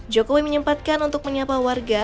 jokowi menyempatkan untuk menyapa warga